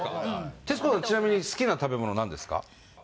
徹子さんちなみに好きな食べ物なんですか？